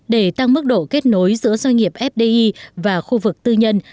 để tăng mức độ kết nối giữa doanh nghiệp fdi và khu vực tư nhân